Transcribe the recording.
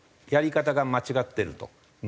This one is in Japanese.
やり方が間違ってると。